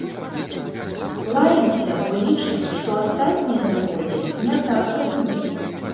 Лаемся, бо лічым, што астатнія даводзяць не так, як мы!